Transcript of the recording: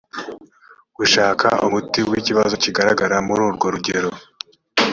gushaka umuti w’ikibazo kigaragara muri urwo rugero i